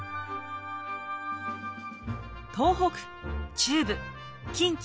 東北中部近畿